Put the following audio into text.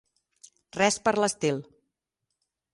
Res per l'estil.